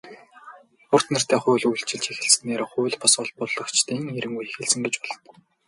"Урт нэртэй хууль" үйлчилж эхэлснээр хууль бус олборлогчдын эрин үе эхэлсэн гэж болно.